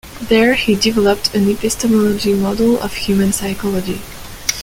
There he developed an epistemology model of human psychology.